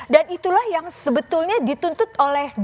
dan itulah yang sebetulnya dituntut oleh